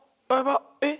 えっ！